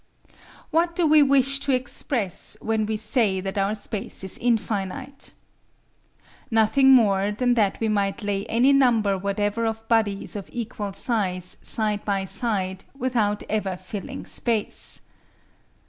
What do we wish to express when we say that our space is infinite? Nothing more than that we might lay any number whatever of bodies of equal sizes side by side without ever filling space.